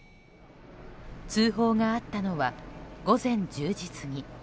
通報があったのは午前１０時過ぎ。